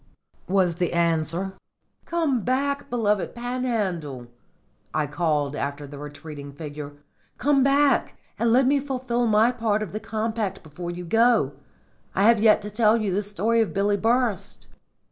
was the answer. "Come back, beloved Panhandle!" I called after the retreating figure. "Come back and let me fulfil my part of the compact before you go. I have yet to tell you the story of Billy Burst."